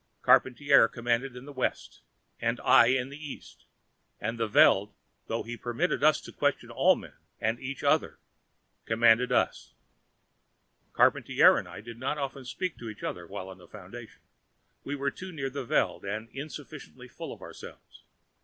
Charpantier commanded in the West, and I in the East, and the Veld, though he permitted us to question all men, and each other, commanded us. Charpantier and I did not often speak to each other while in the Foundation. We were too near the Veld, and insufficiently full of ourselves.